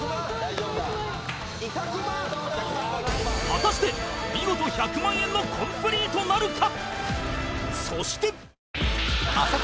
果たして見事１００万円のコンプリートなるか？